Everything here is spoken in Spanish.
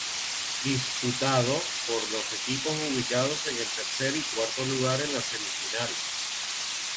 Disputado por los equipos ubicados en el tercer y cuarto lugar en la semifinal.